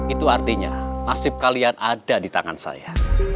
itu artinya nasib kalian ada di tangan saya